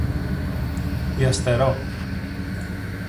Η Αστέρω;